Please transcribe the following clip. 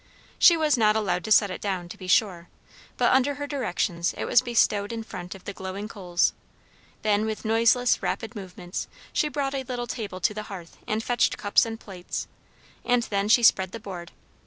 She was not allowed to set it down, to be sure, but under her directions it was bestowed in front of the glowing coals. Then, with noiseless, rapid movements, she brought a little table to the hearth and fetched cups and plates. And then she spread the board.